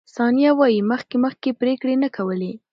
ثانیه وايي، مخکې مخکې پرېکړې نه کولې.